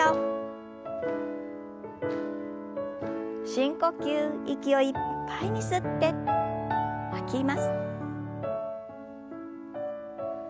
深呼吸息をいっぱいに吸って吐きます。